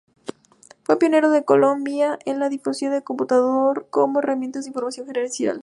Fue pionero en Colombia en la difusión del computador como herramienta de información gerencial.